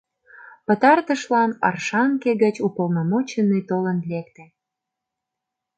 Пытартышлан Оршанке гыч уполномоченный толын лекте.